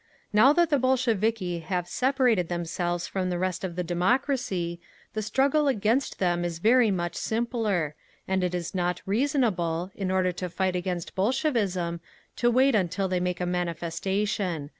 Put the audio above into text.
"Now that the Bolsheviki have separated themselves from the rest of the democracy, the struggle against them is very much simpler—and it is not reasonable, in order to fight against Bolshevism, to wait until they make a manifestation.